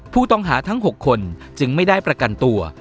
ผู้ต้องหาทั้ง๖คนจึงไม่ได้ประกันตัว